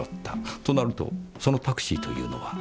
となるとそのタクシーというのは？